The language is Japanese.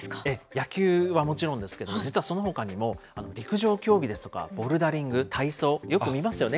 野球はもちろんですけれども、実はそのほかにも、陸上競技ですとかボルダリング、体操、よく見ますよね。